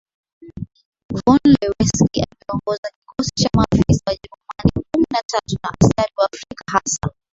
von Zelewski aliongoza kikosi cha maafisa Wajerumani kumi na tatu na askari Waafrika hasa